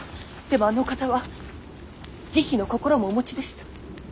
でもあのお方は慈悲の心もお持ちでした。